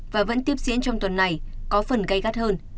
và vẫn tiếp diễn trong tuần này có phần gây gắt hơn